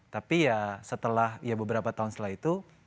tapi ya setelah ya beberapa tahun setelah itu